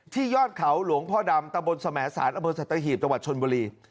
ที่ยอดเขาหลวงพ่อดำตะบนสมแสนอเบิดสัตว์ฮีบตะวัดชนบุรี